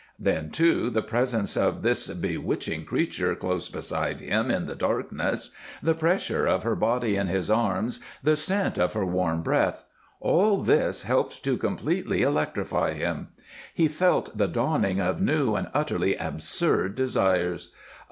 Then, too, the presence of this bewitching creature close beside him in the darkness, the pressure of her body in his arms, the scent of her warm breath all this helped to completely electrify him. He felt the dawning of new and utterly absurd desires.